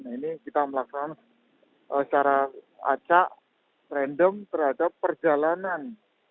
nah ini kita melaksanakan secara acak random terhadap perjalanan